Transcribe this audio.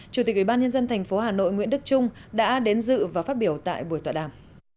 chủ tịch ubnd tp hà nội nguyễn đức trung đã đến dự và phát biểu tại buổi tọa đàm